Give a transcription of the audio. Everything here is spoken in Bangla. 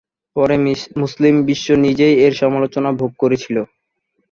পরে মুসলিম বিশ্ব নিজেই এর সমালোচনা ভোগ করেছিলো।